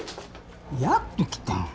やっと来た。